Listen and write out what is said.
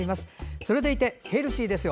それでいてヘルシーですよ。